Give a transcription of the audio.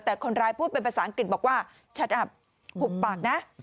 แต่คนร้ายพูดเป็นภาษาอังกฤษบอกว่าชัดอับหุบปากนะ